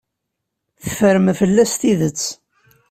Teffrem fell-as tidet.